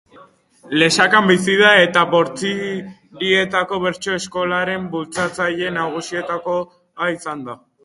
Lesakan bizi da eta Bortzirietako Bertso-Eskolaren bultzatzaile nagusietakoa izan da.